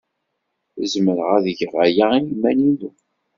Zemreɣ ad geɣ aya i yiman-inu.